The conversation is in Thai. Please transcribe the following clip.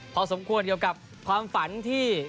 พอสมควรเกี่ยวกับความฝันที่